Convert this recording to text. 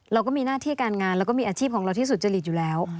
เราก็มีหน้าที่การงานแล้วก็มีอาชีพของเราที่สุจริตอยู่แล้ว